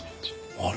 あれ？